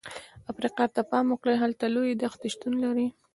افریقا ته پام وکړئ، هلته لویې دښتې شتون لري.